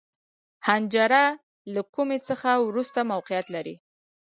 حنجره له کومي څخه وروسته موقعیت لري.